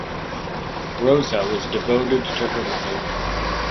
Rosa was devoted to her mother.